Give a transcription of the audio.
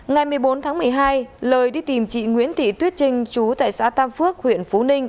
ngày một mươi bốn tháng một mươi hai lời đi tìm chị nguyễn thị tuyết trinh chú tại xã tam phước huyện phú ninh